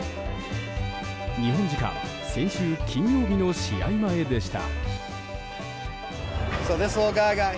日本時間先週金曜日の試合前でした。